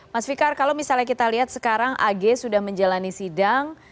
mas fikar kalau misalnya kita lihat sekarang ag sudah menjalani sidang